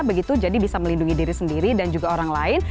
begitu jadi bisa melindungi diri sendiri dan juga orang lain